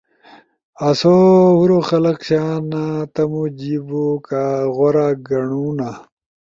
آسو ہُورو خلگ شانا تمو جیِب غورا گنڑُو نا۔